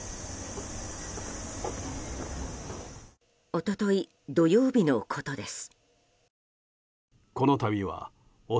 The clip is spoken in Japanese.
一昨日、土曜日のことです。